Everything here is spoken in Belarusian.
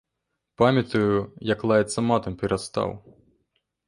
Памятаю, як лаяцца матам перастаў.